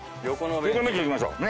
横のベンチ行きましょう。